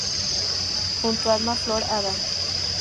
Junto a Alma Flor Ada.